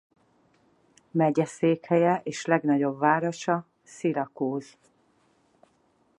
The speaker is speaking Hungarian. Megyeszékhelye és legnagyobb városa Syracuse.